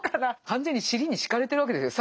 完全に尻に敷かれてるわけですよ。